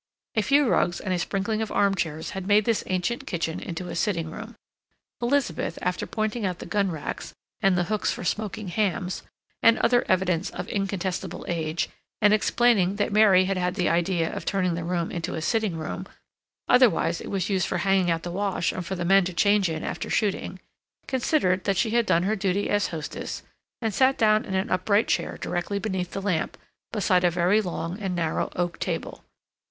A few rugs and a sprinkling of arm chairs had made this ancient kitchen into a sitting room. Elizabeth, after pointing out the gun racks, and the hooks for smoking hams, and other evidence of incontestable age, and explaining that Mary had had the idea of turning the room into a sitting room—otherwise it was used for hanging out the wash and for the men to change in after shooting—considered that she had done her duty as hostess, and sat down in an upright chair directly beneath the lamp, beside a very long and narrow oak table.